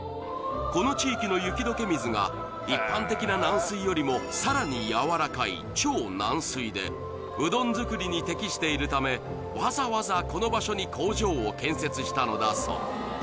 この地域の雪解け水が一般的な軟水よりもさらに軟らかい超軟水でうどん作りに適しているためわざわざこの場所に工場を建設したのだそう